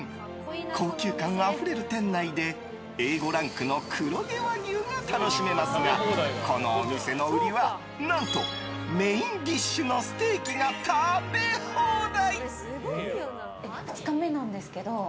高級感あふれる店内でＡ５ランクの黒毛和牛が楽しめますがこのお店の売りは何とメインディッシュのステーキが食べ放題。